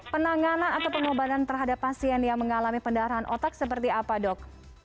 penanganan atau pengobatan terhadap pasien yang mengalami pendarahan otak seperti apa dok